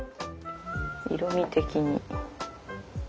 色み的に。